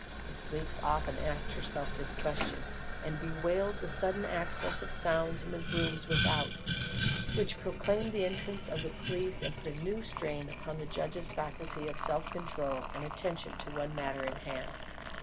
Miss Weeks often asked herself this question, and bewailed the sudden access of sounds in the rooms without, which proclaimed the entrance of the police and put a new strain upon the judge's faculty of self control and attention to the one matter in hand.